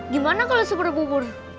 gimana kalau super bubur